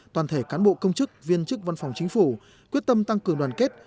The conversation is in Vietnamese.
toàn thể cán bộ công chức viên chức văn phòng chính phủ quyết tâm tăng cường đoàn kết